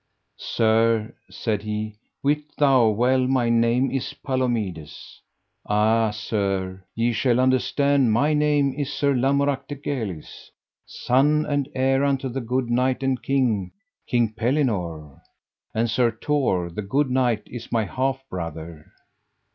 Sir, said he, wit thou well my name is Palomides. Ah, sir, ye shall understand my name is Sir Lamorak de Galis, son and heir unto the good knight and king, King Pellinore, and Sir Tor, the good knight, is my half brother.